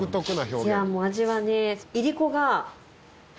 いやもう味はね。